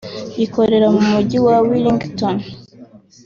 gikorera mu mujyi wa Wellington